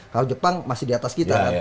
kalau jepang masih di atas kita kan